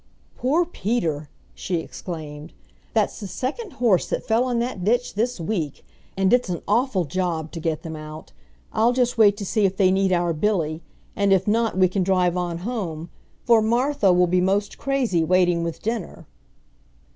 "Poor Peter!" she exclaimed. "That's the second horse that fell in that ditch this week. And it's an awful job to get them out. I'll just wait to see if they need our Billy, and if not, we can drive on home, for Martha will be most crazy waiting with dinner."